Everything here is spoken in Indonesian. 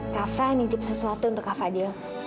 kak fah menitip sesuatu untuk kak fadil